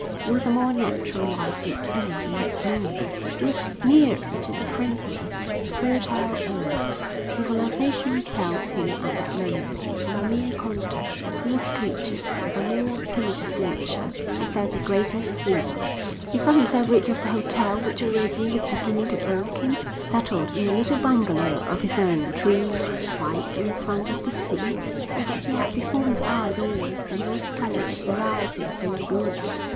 It was a more natural life than any he had known, it was nearer to the friendly, fertile earth; civilisation repelled him at that moment, and by mere contact with these creatures of a more primitive nature he felt a greater freedom. He saw himself rid of the hotel which already was beginning to irk him, settled in a little bungalow of his own, trim and white, in front of the sea so that he had before his eyes always the multicoloured variety of the lagoon.